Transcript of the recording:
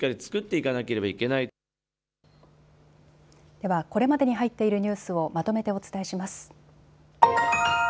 ではこれまでに入っているニュースをまとめてお伝えします。